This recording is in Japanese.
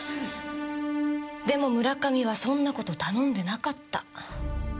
でも村上はそんなこと頼んでなかった。